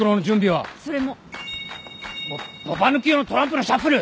ばっばば抜き用のトランプのシャッフル！